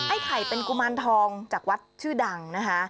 ไข่เป็นกุมารทองจากวัดชื่อดังนะคะ